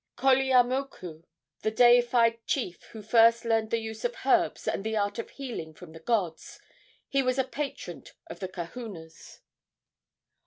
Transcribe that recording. Koleamoku, the deified chief who first learned the use of herbs and the art of healing from the gods. He was a patron of the kahunas.